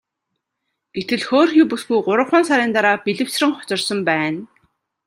Гэтэл хөөрхий бүсгүй гуравхан сарын дараа бэлэвсрэн хоцорсон байна.